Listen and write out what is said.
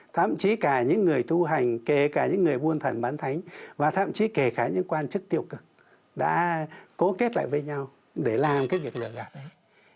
thậm chí cả những người thu hành kể cả những người buôn thần bán thánh và thậm chí kể cả những quan chức tiêu cực đã cố kết lại với nhau để làm cái việc lợi dạng đấy